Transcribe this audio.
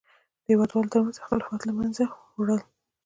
د هېوادوالو تر منځ اختلافاتو له منځه وړل.